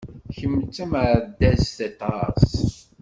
Kemm d tameɛdazt aṭas!